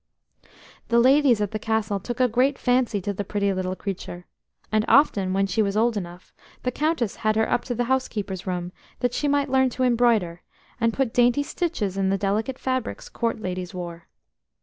The ladies at the Castle took a great fancy to the pretty little creature, and often, when she was old enough, the Countess had her up to the housekeeper's room that she might learn to embroider, and put dainty stitches in the delicate fabrics Court ladies wore.